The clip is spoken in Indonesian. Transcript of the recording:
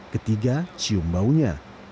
ketiga cium baunya